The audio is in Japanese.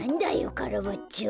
カラバッチョ。